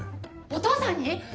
お父さんに！？